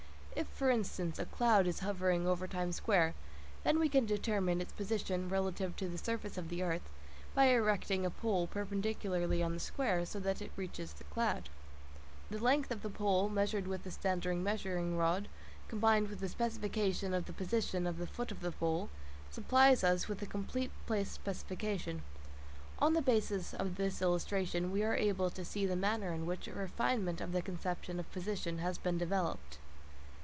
If, for instance, a cloud is hovering over Times Square, then we can determine its position relative to the surface of the earth by erecting a pole perpendicularly on the Square, so that it reaches the cloud. The length of the pole measured with the standard measuring rod, combined with the specification of the position of the foot of the pole, supplies us with a complete place specification. On the basis of this illustration, we are able to see the manner in which a refinement of the conception of position has been developed.